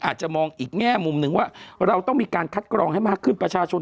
อาจจะมองอีกแง่มุมหนึ่งว่าเราต้องมีการคัดกรองให้มากขึ้นประชาชน